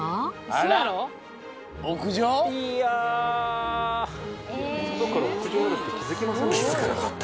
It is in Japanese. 外から屋上あるって気付きませんでした。